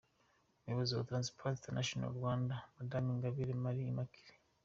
Umuyobozi wa Transparency International-Rwanda, Madame Ingabire Marie Immaculee .